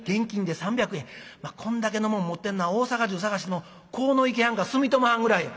こんだけのもん持ってんのは大阪中探しても鴻池はんか住友はんぐらいや」。